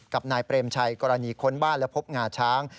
กับนายเปรมชัยกรณีค้นบ้านและพบงาช้าง